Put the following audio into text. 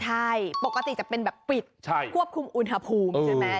ใช่ปกติจะเป็นแบบปิดควบคุมอุณหภูมิใช่ไหม